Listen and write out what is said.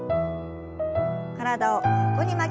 体を横に曲げます。